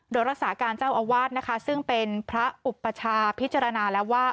โดยรักษาการเจ้าอาวาสนะคะซึ่งเป็นพระอุปชาพิจารณาแล้วว่า